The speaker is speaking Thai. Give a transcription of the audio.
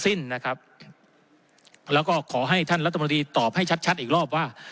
สิ้นนะครับแล้วก็ขอให้ท่านรัฐมนตรีตอบให้ชัดชัดอีกรอบว่า